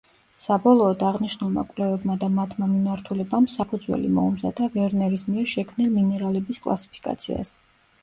საბოლოოდ, აღნიშნულმა კვლევებმა და მათმა მიმართულებამ, საფუძველი მოუმზადა ვერნერის მიერ შექმნილ მინერალების კლასიფიკაციას.